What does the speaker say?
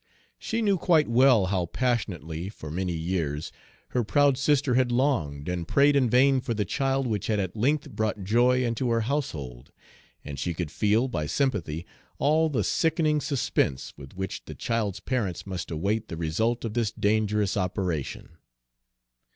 She knew quite well how passionately, for many years, her proud sister had longed and prayed in vain for the child which had at length brought joy into her household, and she could feel, by sympathy, all the sickening suspense with which the child's parents must await the result of this dangerous operation.